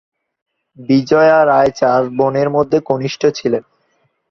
বিজয়া রায় চার বোনের মধ্যে কনিষ্ঠ ছিলেন।